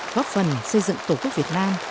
góp phần xây dựng tổ quốc việt nam